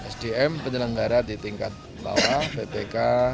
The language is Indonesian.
sdm penyelenggara di tingkat bawah ppk